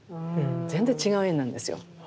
全然違う絵になるんですよ。